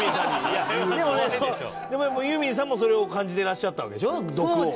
いやでもねでもやっぱユーミンさんもそれを感じてらっしゃったわけでしょ毒を。